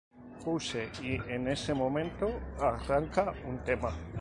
Puse y en ese momento arranca un tema.